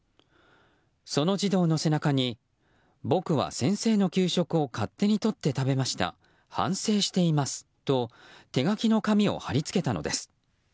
その児童の背中に僕は先生の給食を勝手にとって食べました反省していますと手書きの紙を貼り付けたのです。